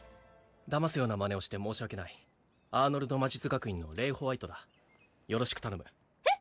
だますようなマネをして申し訳ないアーノルド魔術学院のレイ＝ホワイトだよろしく頼むえっ？